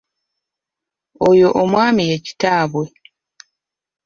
Oyo omwami ye Kitaabwe.